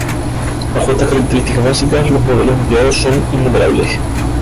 Bajo estas características básicas, los modelos empleados son innumerables.